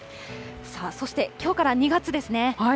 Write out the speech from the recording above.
さあ、そして、きょうから２月ですね。